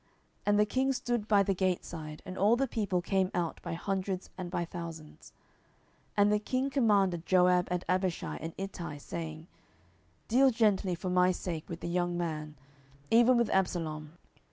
And the king stood by the gate side, and all the people came out by hundreds and by thousands. 10:018:005 And the king commanded Joab and Abishai and Ittai, saying, Deal gently for my sake with the young man, even with Absalom.